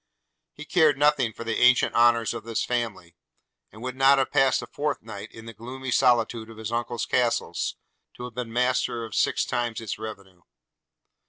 He cared nothing for the ancient honours of his family; and would not have passed a fortnight in the gloomy solitude of his uncle's castle, to have been master of six times its revenue.